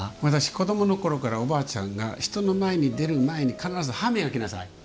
子どものころからおばあちゃんが人の前に出る前に必ず歯を磨きなさいと。